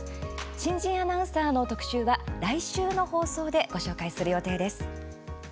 新人アナウンサーの特集は来週の放送でご紹介する予定です。